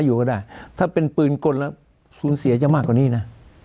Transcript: อยู่ก็ได้ถ้าเป็นปืนกลแล้วสูญเสียจะมากกว่านี้นะ